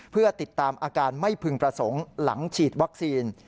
เพื่อติดตามอาการไม่พึงประสงค์หลังฉีดวัคซีน